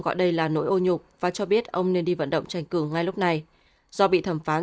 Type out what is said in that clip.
gọi đây là nỗi ô nhục và cho biết ông nên đi vận động tranh cử ngay lúc này do bị thẩm phán